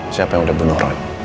siapa yang udah bunuh ren